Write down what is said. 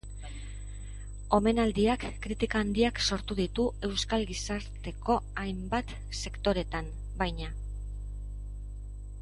Omenaldiak kritika handiak sortu ditu euskal gizarteko hainbat sektoretan, baina.